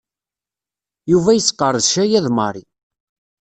Yuba yesqerdec aya d Mary.